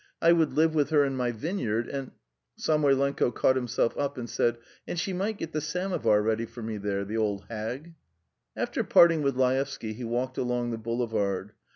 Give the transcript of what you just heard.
I would live with her in my vineyard and ..." Samoylenko caught himself up and said: "And she might get the samovar ready for me there, the old hag." After parting with Laevsky he walked along the boulevard.